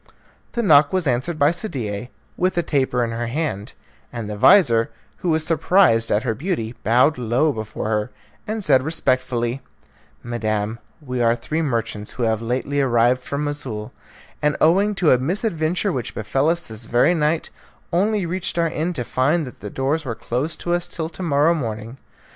The knock was answered by Sadie, with a taper in her hand, and the vizir, who was surprised at her beauty, bowed low before her, and said respectfully, "Madam, we are three merchants who have lately arrived from Moussoul, and, owing to a misadventure which befel us this very night, only reached our inn to find that the doors were closed to us till to morrow morning.